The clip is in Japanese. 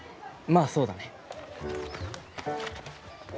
まあそうだね。